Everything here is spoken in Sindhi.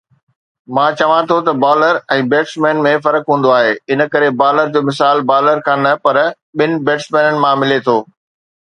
مان چوان ٿو ته بالر ۽ بيٽسمين ۾ فرق هوندو آهي. ان ڪري بالر جو مثال بالر کان نه پر ٻن بيٽسمينن مان ملي ٿو